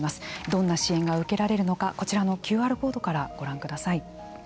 どんな支援が受けられるのかこちらのＱＲコードからご覧ください。